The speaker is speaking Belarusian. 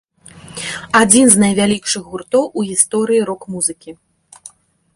Адзін з найвялікшых гуртоў у гісторыі рок-музыкі.